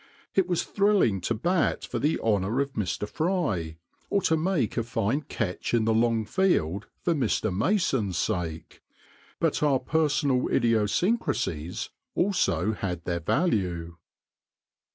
It was thrilling to bat for the honour of Mr. Fry, or to make a fine catch in the long field for Mr. Mason's sake, but our personal idiosyn crasies also had their value.